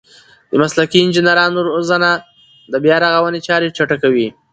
د مسلکي انجنیرانو روزنه د بیارغونې چارې چټکوي.